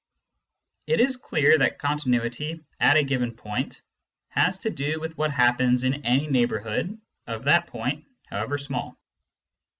It is clear that continuity at a given point has to do with what happens in any neighbourhood of that point, however small.